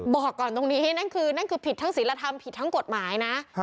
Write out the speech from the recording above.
บอกก่อนตรงนี้นั่นคือนั่นคือผิดทั้งศิลธรรมผิดทั้งกฎหมายนะ